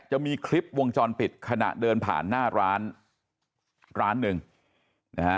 จะมีคลิปวงจรปิดขณะเดินผ่านหน้าร้านร้านหนึ่งนะฮะ